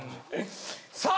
さあ！